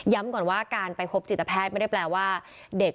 ก่อนว่าการไปพบจิตแพทย์ไม่ได้แปลว่าเด็ก